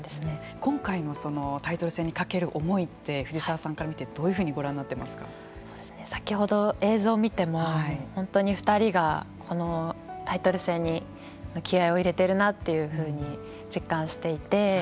今回のタイトル戦にかける思いって藤沢さんから見てどういうふうに先ほど映像を見ても本当に２人がこのタイトル戦に気合いを入れてるなというふうに実感していて。